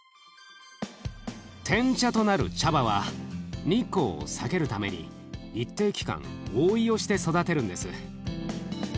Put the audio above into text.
てん茶となる茶葉は日光を避けるために一定期間覆いをして育てるんです。